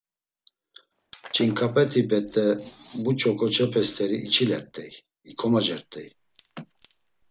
Ç̌inǩapeti bet̆e muç̌o ǩoçepe st̆eri içilert̆ey, ikomocert̆ey.